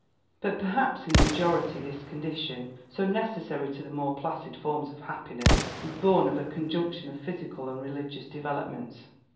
But perhaps in the majority this condition, so necessary to the more placid forms of happiness, is born of a conjunction of physical and religious developments.